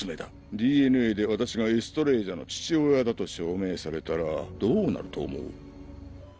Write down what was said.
ＤＮＡで私がエストレージャの父親だと証明されたらどうなると思う？